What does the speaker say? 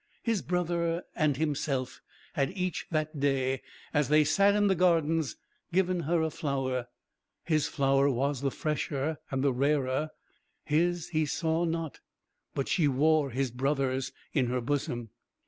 His brother and himself had each that day, as they sat in the gardens, given her a flower; his flower was the fresher and the rarer; his he saw not, but she wore his brother's in her bosom!